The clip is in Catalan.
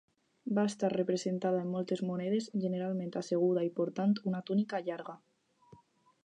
Va estar representada en moltes monedes, generalment asseguda i portant una túnica llarga.